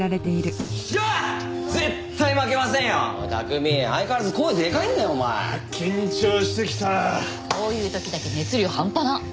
こういう時だけ熱量ハンパなっ！